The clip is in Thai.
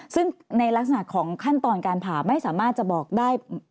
ซึ่งในลักษณะของขั้นตอนการผ่าไม่สามารถจะบอกได้